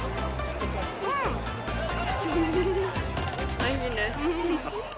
おいしいです。